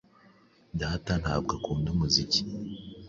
Data ntabwo akunda umuziki.